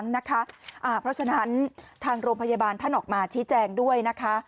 เพราะฉะนั้นทางโรงพยาบาลท่านออกมาชี้แจงด้วยนะคะ